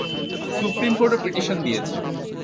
Supreme কোর্টও petition দিয়েছে।